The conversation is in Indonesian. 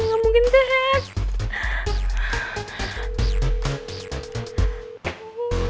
gak mungkin di hack